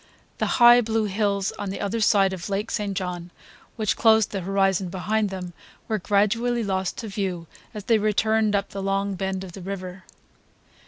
The high blue hills on the other side of Lake St. John which closed the horizon behind them were gradually lost to view as they returned up the long bend of the river.